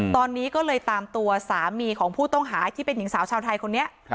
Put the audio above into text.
ตอนนี้ก็เลยตามตัวสามีของผู้ต้องหาที่เป็นหญิงสาวชาวไทยคนนี้